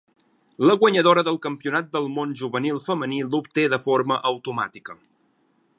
La guanyadora del Campionat del món juvenil femení l'obté de forma automàtica.